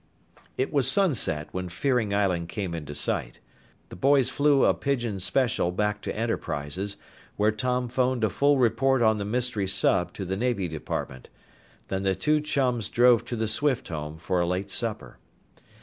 It was sunset when Fearing Island came into sight. The boys flew a Pigeon Special back to Enterprises, where Tom phoned a full report on the mystery sub to the Navy Department. Then the two chums drove to the Swift home for a late supper.